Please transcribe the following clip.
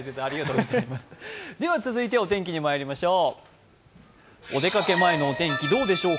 続いてはお天気にまいりましょう。